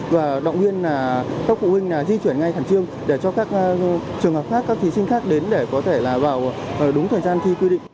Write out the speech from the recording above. và động viên các phụ huynh di chuyển ngay khẩn trương để cho các trường hợp khác các thí sinh khác đến để có thể là vào đúng thời gian thi quy định